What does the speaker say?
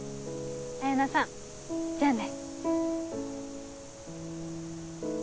彩菜さんじゃあね。